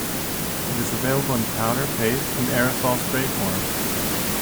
It is available in powder, paste and aerosol spray forms.